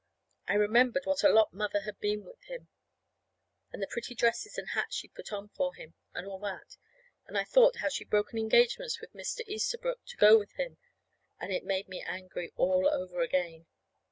I remembered what a lot Mother had been with him, and the pretty dresses and hats she'd put on for him, and all that. And I thought how she'd broken engagements with Mr. Easterbrook to go with him, and it made me angry all over again.